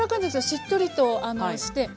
しっとりとして。